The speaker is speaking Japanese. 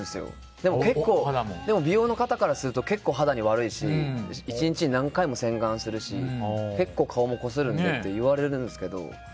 でも結構、美容の方からすると肌に悪いし１日に何回も洗顔するし結構、顔もこするのにって言われるんですけど。